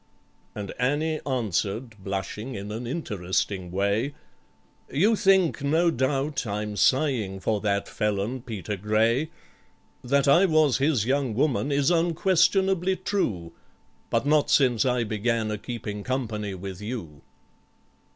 And ANNIE answered, blushing in an interesting way, "You think, no doubt, I'm sighing for that felon PETER GRAY: That I was his young woman is unquestionably true, But not since I began a keeping company with you."